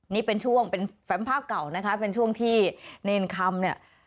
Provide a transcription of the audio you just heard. นี่เป็นช่วงเป็นแฝมภาพเก่าเป็นช่วงที่เน่นคำ